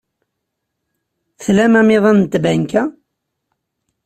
Tlam amiḍan n tbanka?